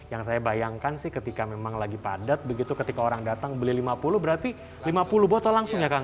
yang saya bayangkan sih ketika memang lagi padat begitu ketika orang datang beli lima puluh berarti lima puluh botol langsung ya kang